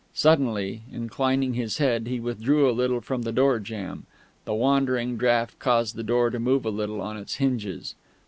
Suddenly, inclining his head, he withdrew a little from the door jamb. The wandering draught caused the door to move a little on its hinges.